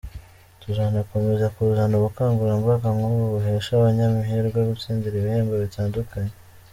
Tuzanakomeza kuzana ubukangurambaga nk’ubu buhesha abanyamahirwe gutsindira ibihembo bitandukanye”.